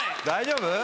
大丈夫？